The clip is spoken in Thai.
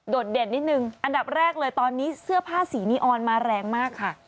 เด่นนิดนึงอันดับแรกเลยตอนนี้เสื้อผ้าสีนีออนมาแรงมากค่ะ